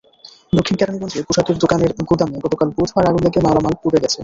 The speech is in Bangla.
দক্ষিণ কেরানীগঞ্জে পোশাকের দোকানের গুদামে গতকাল বুধবার আগুন লেগে মালামাল পুড়ে গেছে।